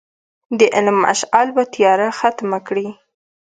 د علم مشعل به تیاره ختمه کړي.